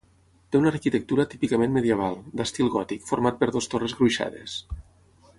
Té una arquitectura típicament medieval, d'estil gòtic, format per dues torres gruixades.